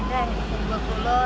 aduh ajebang deh